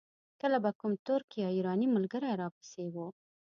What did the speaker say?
کله به کوم ترک یا ایراني ملګری را پسې و.